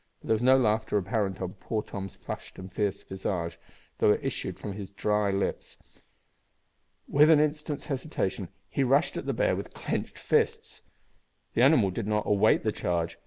But there was no laughter apparent on poor Tom's flushed and fierce visage, though it issued from his dry lips. Without an instant's hesitation he rushed at the bear with clenched fists. The animal did not await the charge.